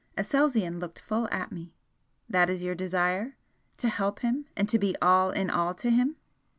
Aselzion looked full at me. "That is your desire? to help him and to be all in all to him?"